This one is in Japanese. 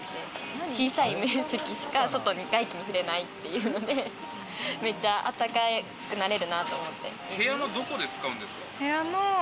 小さい面積しか外気に触れないっていうので、めっちゃあったかくなれるなって思って。